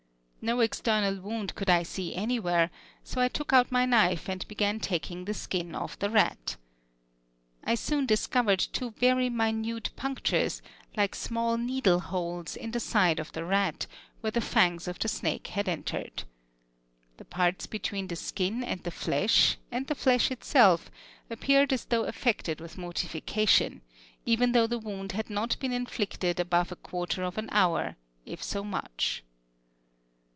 No external wound could I see anywhere, so I took out my knife and began taking the skin off the rat. I soon discovered two very minute punctures, like small needle holes, in the side of the rat, where the fangs of the snake had entered. The parts between the skin and the flesh, and the flesh itself, appeared as though affected with mortification, even though the wound had not been inflicted above a quarter of an hour, if so much.